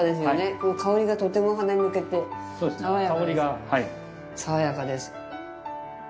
この香りが、とても鼻に抜けて爽やかです。